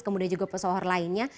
kemudian juga pesohor lainnya